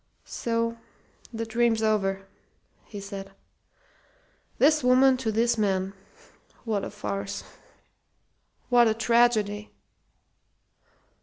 "So! The dream's over!" he said. "'This woman to this man'! What a farce what a tragedy!"